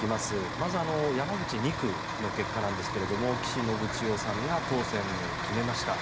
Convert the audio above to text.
まず山口２区の結果なんですが岸信千世さんが当選を決めました。